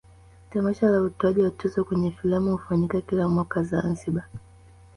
tamasha la utoaji wa tuzo kwenye filamu hufanyika kila mwaka zanzibar